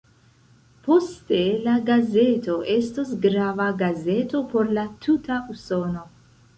Poste la gazeto estos grava gazeto por la tuta Usono.